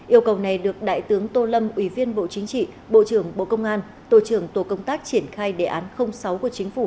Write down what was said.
yêu cầu này được đại tướng tô lâm ủy viên bộ chính trị bộ trưởng bộ công an tổ trưởng tổ công tác triển khai đề án sáu của chính phủ